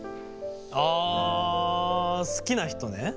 あ好きな人ね？